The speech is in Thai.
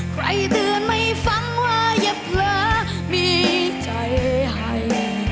ใครตื่นไม่ฟังว่าเย็บเหลือมีใจให้